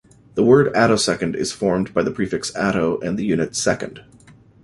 The word "attosecond" is formed by the prefix "atto" and the unit "second".